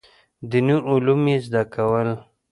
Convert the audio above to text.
دیني علوم یې زده کول.